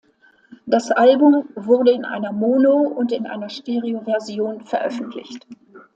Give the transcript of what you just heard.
Das Album wurde in einer Mono- und in einer Stereoversion veröffentlicht.